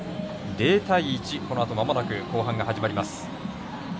０対１、このあとまもなく後半が始まります。